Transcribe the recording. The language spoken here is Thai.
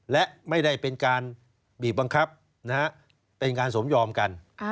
และไม่ได้เป็นการบีบบังคับเป็นการสมยอมกัน